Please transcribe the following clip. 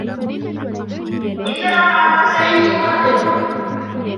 إِنَّهُ عَلَى رَجْعِهِ لَقَادِرٌ